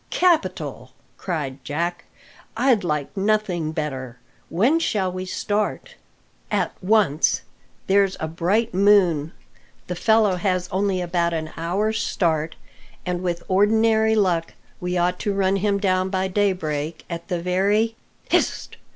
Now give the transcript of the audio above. "Capital!" cried Jack; "I'd like nothing better. When shall we start?" "At once. There's a bright moon, the fellow has only about an hour's start, and with ordinary luck we ought to run him down by daybreak at the very " "Hist!"